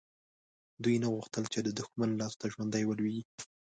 دوی نه غوښتل چې د دښمن لاسته ژوندي ولویږي.